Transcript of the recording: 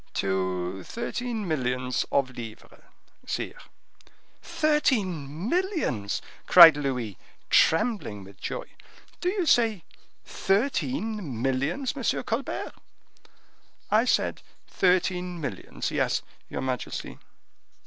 "To thirteen millions of livres, sire." "Thirteen millions!" cried Louis, trembling with joy; "do you say thirteen millions, Monsieur Colbert?" "I said thirteen millions, yes, your majesty."